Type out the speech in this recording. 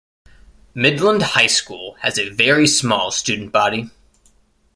Midland High School has a very small student body.